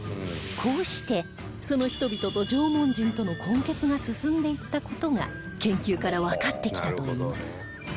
こうしてその人々と縄文人との混血が進んでいった事が研究からわかってきたといいます